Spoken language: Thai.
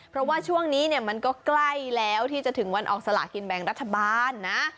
เพราะว่าช่วงนี้เนี่ยมันก็ใกล้แล้วที่จะถึงวันออกสลากินแบ่งรัฐบาลนะ